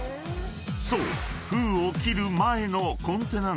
［そう］